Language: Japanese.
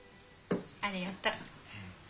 ありがとう。